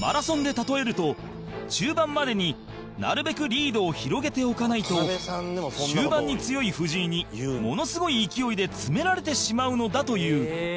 マラソンで例えると中盤までになるべくリードを広げておかないと終盤に強い藤井にものすごい勢いで詰められてしまうのだという山崎：